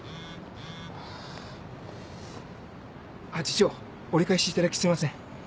次長折り返しいただきすいません。